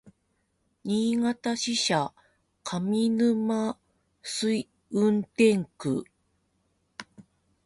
新潟支社上沼垂運転区